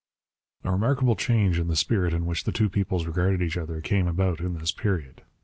A remarkable change in the spirit in which the two peoples regarded each other came about in this period.